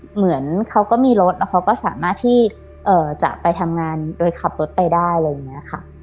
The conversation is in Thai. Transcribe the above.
เหมือนเขาก็มีรถแล้วเขาก็สามารถที่จะไปทำงานโดยขับรถไปได้อะไรอย่างนี้ค่ะ